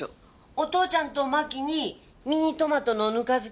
お父ちゃんとマキにミニトマトのぬか漬け